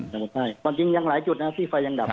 ตมท่าไล่จริงอย่างหลายจุดนะที่เฟลยังดับ